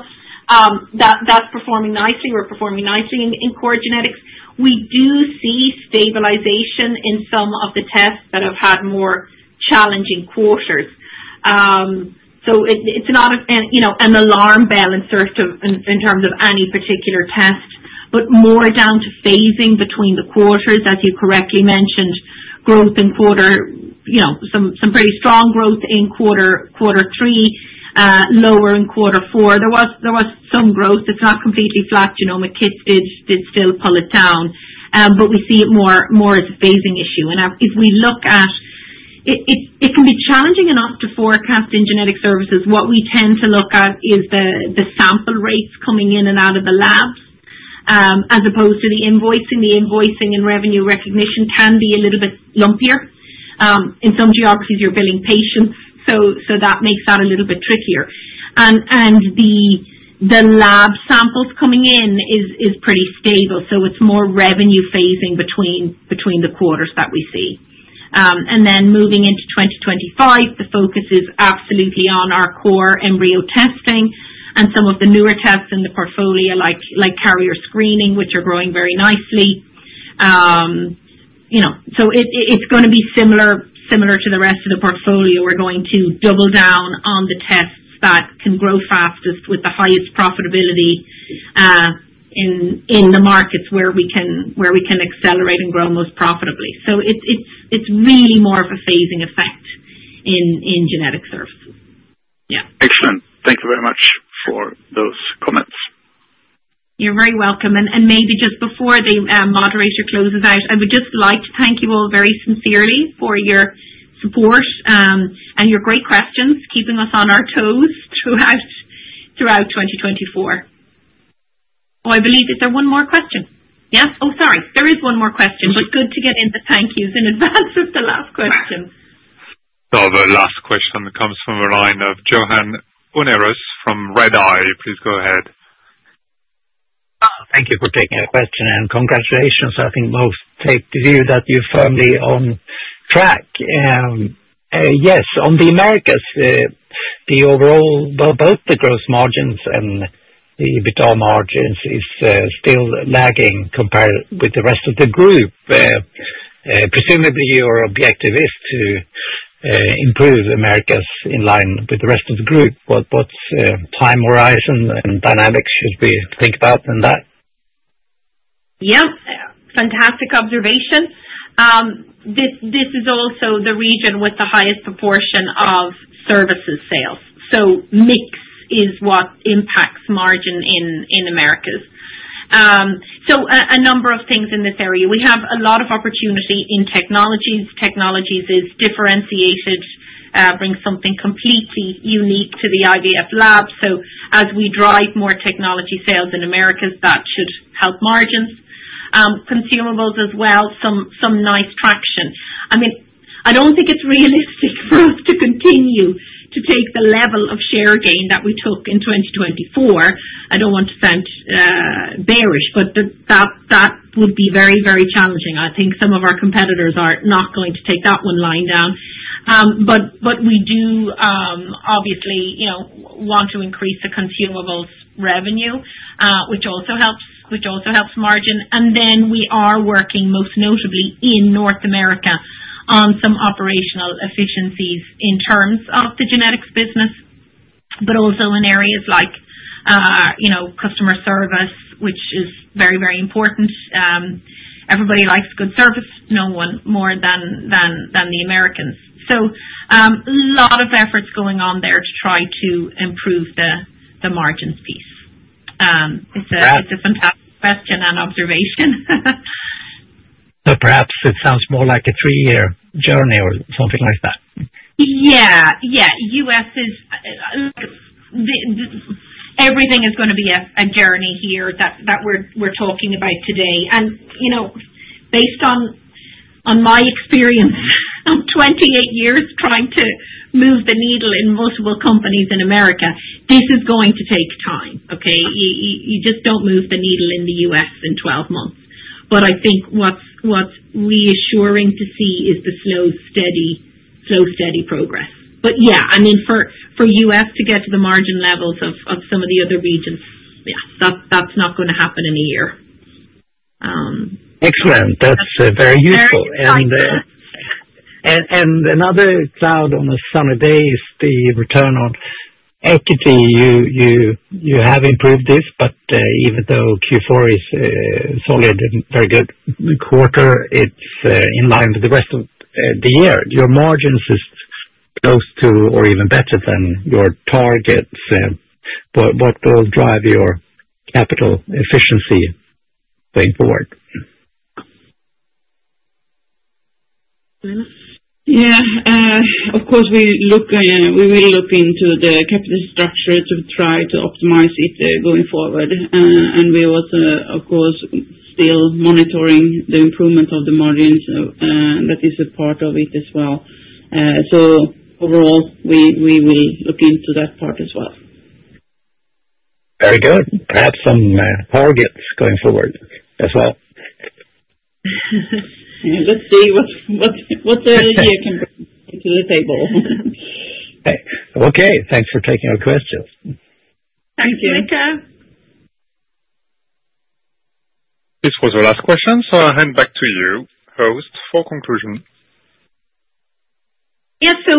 that's performing nicely. We're performing nicely in core Genetics. We do see stabilization in some of the tests that have had more challenging quarters. So it's not an alarm bell in terms of any particular test, but more down to phasing between the quarters, as you correctly mentioned, growth in quarter, some pretty strong growth in quarter three, lower in quarter four. There was some growth. It's not completely flat. genomics kits did still pull it down. But we see it more as a phasing issue. And if we look at it, it can be challenging enough to forecast in genetic services. What we tend to look at is the sample rates coming in and out of the labs as opposed to the invoicing. The invoicing and revenue recognition can be a little bit lumpier. In some geographies, you're billing patients, so that makes that a little bit trickier, and the lab samples coming in is pretty stable, so it's more revenue phasing between the quarters that we see, and then moving into 2025, the focus is absolutely on our core embryo testing and some of the newer tests in the portfolio like carrier screening, which are growing very nicely, so it's going to be similar to the rest of the portfolio. We're going to double down on the tests that can grow fastest with the highest profitability in the markets where we can accelerate and grow most profitably, so it's really more of a phasing effect in genetic services. Yeah. Excellent. Thank you very much for those comments. You're very welcome. And maybe just before the Moderator closes out, I would just like to thank you all very sincerely for your support and your great questions, keeping us on our toes throughout 2024. Oh, I believe that there's one more question. Yes? Oh, sorry. There is one more question, but good to get in the thank yous in advance of the last question. The last question comes from the line of Johan Unnérus from Redeye. Please go ahead. Thank you for taking the question. Congratulations. I think most take the view that you're firmly on track. Yes. On the Americas, the overall, well, both the gross margins and the EBITDA margins is still lagging compared with the rest of the group. Presumably, your objective is to improve Americas in line with the rest of the group. What's the time horizon and dynamics should we think about in that? Yep. Fantastic observation. This is also the region with the highest proportion of services sales. So mix is what impacts margin in Americas. So a number of things in this area. We have a lot of opportunity in Technologies. Technologies is differentiated, brings something completely unique to the IVF lab. So as we drive more technology sales in Americas, that should help margins. Consumables as well, some nice traction. I mean, I don't think it's realistic for us to continue to take the level of share gain that we took in 2024. I don't want to sound bearish, but that would be very, very challenging. I think some of our competitors are not going to take that one line down. But we do obviously want to increase the Consumables revenue, which also helps margin. And then we are working most notably in North America on some operational efficiencies in terms of the Genetics business, but also in areas like customer service, which is very, very important. Everybody likes good service. No one more than the Americans. So a lot of efforts going on there to try to improve the margins piece. It's a fantastic question and observation. So perhaps it sounds more like a three-year journey or something like that. Yeah. Yeah. Everything is going to be a journey here that we're talking about today. And based on my experience of 28 years trying to move the needle in multiple companies in America, this is going to take time. Okay? You just don't move the needle in the U.S. in 12 months. But I think what's reassuring to see is the slow, steady progress. But yeah, I mean, for U.S. to get to the margin levels of some of the other regions, yeah, that's not going to happen in a year. Excellent. That's very useful. And another cloud on a sunny day is the return on equity. You have improved this, but even though Q4 is solid and very good quarter, it's in line with the rest of the year. Your margins is close to or even better than your targets. What will drive your capital efficiency going forward? Yeah. Of course, we will look into the capital structure to try to optimize it going forward, and we was, of course, still monitoring the improvement of the margins. That is a part of it as well, so overall, we will look into that part as well. Very good. Perhaps some targets going forward as well. Let's see what the year can bring to the table. Okay. Thanks for taking our questions. Thank you. Thank you. Operator? This was the last question. So I'll hand back to you, host, for conclusion. Yes, so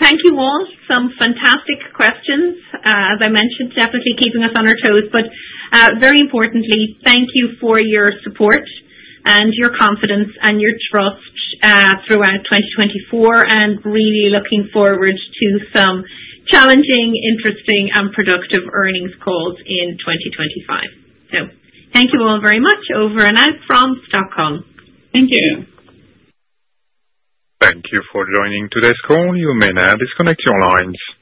thank you all. Some fantastic questions. As I mentioned, definitely keeping us on our toes, but very importantly, thank you for your support and your confidence and your trust throughout 2024 and really looking forward to some challenging, interesting, and productive earnings calls in 2025, so thank you all very much, over and out from Stockholm. Thank you. Thank you for joining today's call. You may now disconnect your lines.